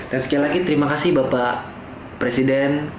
dan sekali lagi terima kasih bapak presiden